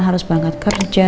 harus berangkat kerja